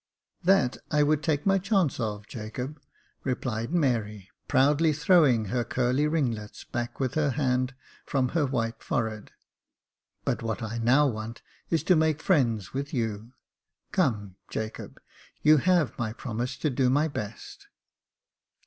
"That I would take my chance of, Jacob," replied Mary, proudly throwing her curly ringlets back with her hand from her white forehead ;" but what I now want is to make friends with you. Come, Jacob, you have my promise to do my best."